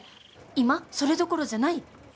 今それどころじゃない。